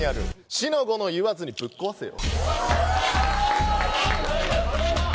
四の五の言わずにぶっ壊せよ。